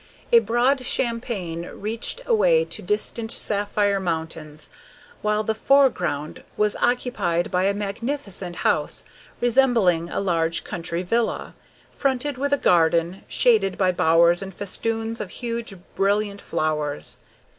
A broad champaign reached away to distant sapphire mountains, while the foreground was occupied by a magnificent house, resembling a large country villa, fronted with a garden, shaded by bowers and festoons of huge, brilliant flowers.